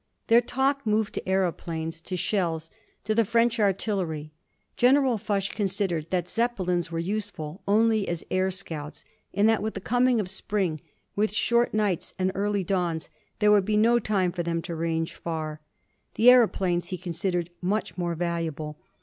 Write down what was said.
Their talk moved on to aëroplanes, to shells, to the French artillery. General Foch considered that Zeppelins were useful only as air scouts, and that with the coming of spring, with short nights and early dawns, there would be no time for them to range far. The aëroplanes he considered much more valuable.